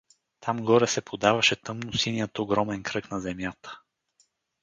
Там горе се подаваше тъмносиният огромен кръг на Земята.